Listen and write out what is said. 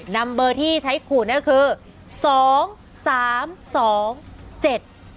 นัมเบอร์ที่ใช้ขูดเนี่ยคือ